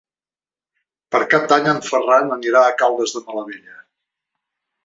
Per Cap d'Any en Ferran anirà a Caldes de Malavella.